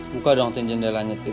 buka dong tin jendelanya tin